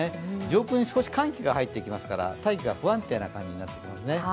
上空に少し寒気が入ってきますから大気が不安定な感じになってきますね。